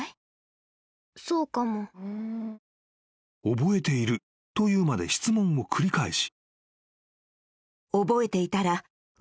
［覚えていると言うまで質問を繰り返し］